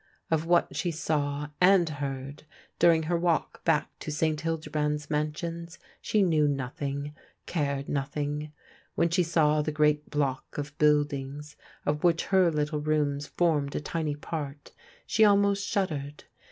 Of what she saw and heard during her walk back to St. Hildebrand's Mansions she knew nothing, cared nothing. When she saw the great block of buildings, of which her little rooms formed a tiny part, she almost shuddered.